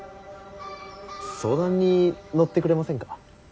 相談に乗ってくれませんか。